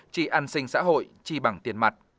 chi ăn sinh xã hội chi bằng tiền mặt